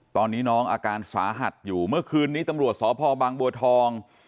ตอนนี้น้องอาการสาหัสอยู่เมื่อคืนนี้ตำรวจสพบางบัวทอง